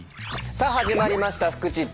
さあ始まりました「フクチッチ」。